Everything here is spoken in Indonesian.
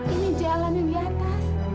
ini jalan yang di atas